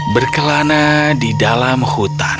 berkelana di dalam hutan